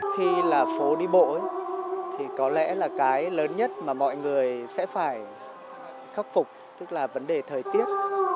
khi là phố đi bộ ấy thì có lẽ là cái lớn nhất mà mọi người sẽ phải khắc phục tức là vấn đề thời tiết